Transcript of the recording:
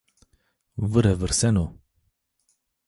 Vire virseno